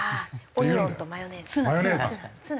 オニオンとマヨネーズツナツナ。